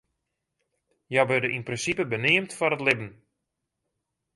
Hja wurde yn prinsipe beneamd foar it libben.